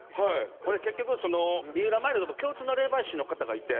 ほんで結局三浦マイルドと共通の霊媒師の方がいて。